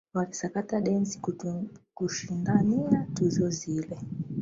Walisakata densi kushindania tuzo zile